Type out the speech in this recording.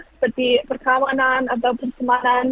seperti perkawanan atau persamaan